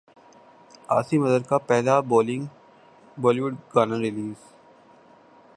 عاصم اظہر کا پہلا بولی وڈ گانا ریلیز